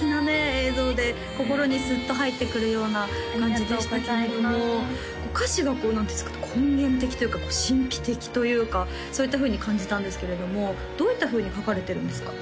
映像で心にスッと入ってくるような感じでしたけれども歌詞がこう何ていうんですか根源的というか神秘的というかそういったふうに感じたんですけれどもどういったふうに書かれてるんですか？